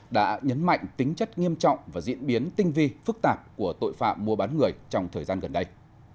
đã nhấn mạnh tính chất nghiêm trọng và diễn biến tinh vi phức tạp của tội phạm mua bán người trong thời gian gần đây